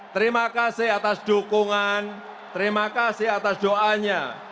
terima kasih atas dukungan terima kasih atas doanya